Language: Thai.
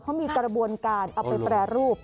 เขามีกระบวนการเอาไปแปรรูป